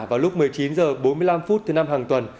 vào lúc một mươi chín h bốn mươi năm thứ năm hàng tuần